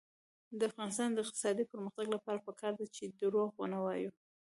د افغانستان د اقتصادي پرمختګ لپاره پکار ده چې دروغ ونه وایو.